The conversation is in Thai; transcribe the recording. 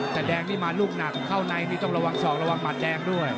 แต่แดงนี่มาลูกหนักเข้าในนี่ต้องระวังศอกระวังหมัดแดงด้วย